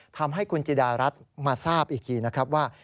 ทำให้คุณจิดารัฐมาทราบอีกทีนะครับว่า